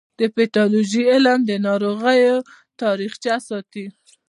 د پیتالوژي علم د ناروغیو تاریخچه ساتي.